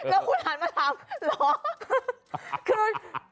แล้วคุณหันมาถามเหรอ